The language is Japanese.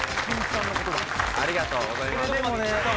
ありがとうございます。